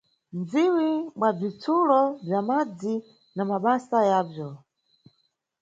Udziwi bwa bzitsulo bza madzi na mabasa yabzo.